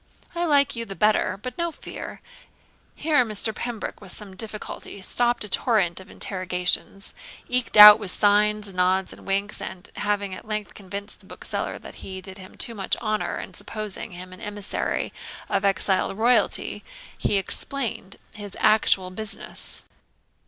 I like you the better; but no fear.' Here Mr. Pembroke with some difficulty stopt a torrent of interrogations, eked out with signs, nods, and winks; and, having at length convinced the bookseller that he did him too much honour in supposing him an emissary of exiled royalty, he explained his actual business.